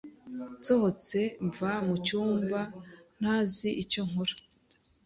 Nsohotse mva mucyumba ntazi icyo nkora.